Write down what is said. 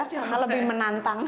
karena lebih menantang